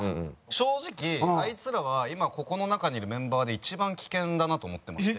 正直あいつらは今ここの中にいるメンバーで一番危険だなと思ってまして。